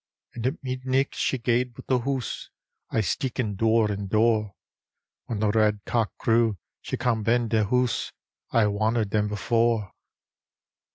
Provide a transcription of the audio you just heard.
And at midnicht she gaed but the hoose, Aye steekin' door and door. Whan the red cock crew she cam' ben the hoose, Aye wanner than before.